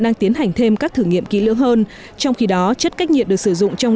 đang tiến hành thêm các thử nghiệm kỹ lưỡng hơn trong khi đó chất cách nhiệt được sử dụng trong